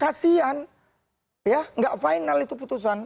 kasian ya nggak final itu putusan